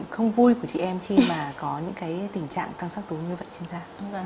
không vui của chị em khi mà có những cái tình trạng tăng sắc tố như vậy trên da